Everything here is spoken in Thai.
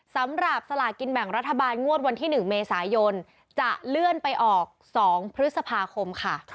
สำหรับสลากินแบ่งรัฐบาลงวดวันที่๑เมษายนจะเลื่อนไปออก๒พฤษภาคมค่ะ